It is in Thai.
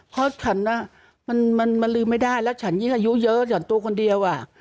เพราะฉันมันลืมไม่ได้แล้วฉันยิ่งอายุเยอะฉันตัวคนเดียว